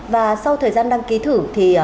và sau thời gian đăng ký thử thì